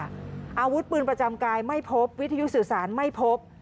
อาวุธปืนประจำกายไม่พบวิทยุสื่อสารไม่พบ